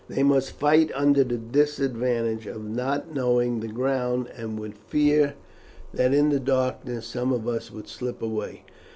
"They must fight under the disadvantage of not knowing the ground, and would fear that in the darkness some of us would slip away."